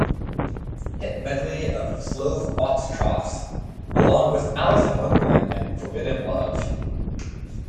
Hit Medley of Slow Foxtrots" along with "Alice in Wonderland" and "Forbidden Love".